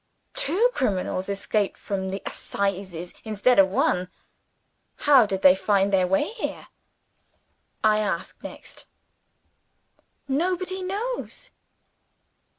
Two criminals escaped from the Assizes, instead of one! "How did they find their way here?" I asked next. "Nobody knows."